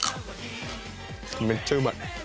めっちゃうまい。